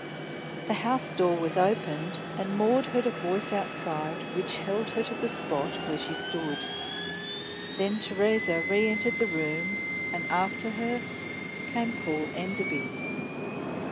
The house door was opened, and Maud heard a voice outside which held her to the spot where she stood. Then Theresa re entered the room, and after her came Paul Enderby.